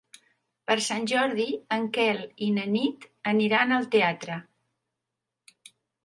Per Sant Jordi en Quel i na Nit aniran al teatre.